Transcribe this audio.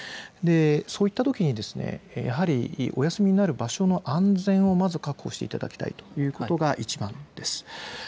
そうしたときにお休みになる場所の安全をまず確保していただきたいというのがいちばんです。